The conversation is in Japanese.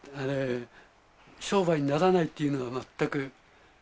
商売にならないっていうのが、全く。